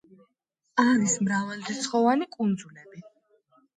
არის მრავალრიცხოვანი კუნძულები.